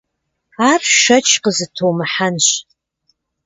Ар шэч къызытумыхьэнщ.